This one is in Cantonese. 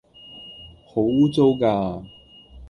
好污糟㗎